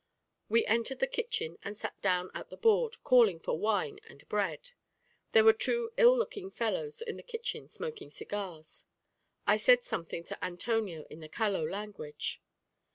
We entered the kitchen and sat down at the board, calling for wine and bread. There were two ill looking fellows in the kitchen smoking cigars. I said something to Antonio in the Caló language.